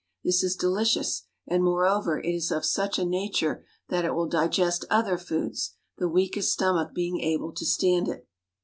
This is delicious; and, moreover, it is of such a nature that it will digest other foods, the weakest stomach be ing able to stand it.